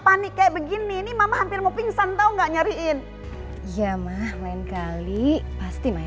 panik kayak begini ini mama hampir mau pingsan tahu enggak nyariin ya mah lain kali pasti my